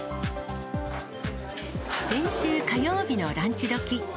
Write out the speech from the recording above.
先週火曜日のランチ時。